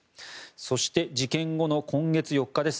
そして事件後の今月４日です。